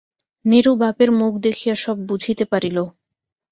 নিরু বাপের মুখ দেখিয়া সব বুঝিতে পারিল।